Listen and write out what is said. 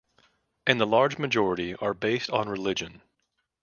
And the large majority are based on religion.